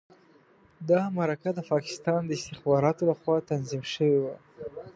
دا مرکه د پاکستان د استخباراتو لخوا تنظیم شوې وه.